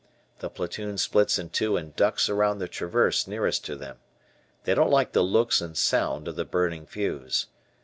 The platoon splits in two and ducks around the traverse nearest to them. They don't like the looks and sound of the burning fuse.